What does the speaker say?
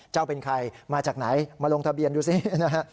จะเป็นใครมาจากไหนมาลงทะเบียนดูสินะฮะ